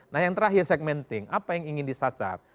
nah yang terakhir segmenting apa yang ingin disacar